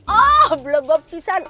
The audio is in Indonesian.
oh belum berpisah